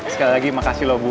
sekali lagi makasih loh bu